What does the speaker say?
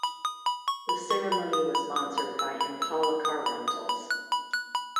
The ceremony was sponsored by Impala Car Rentals.